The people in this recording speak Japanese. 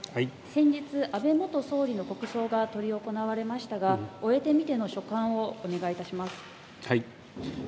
先日、安倍元総理の国葬が執り行われましたが、終えてみての所感をお願いいたします。